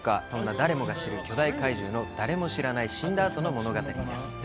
そんな誰もが知る巨大怪獣の誰も知らない死んだ後の物語です。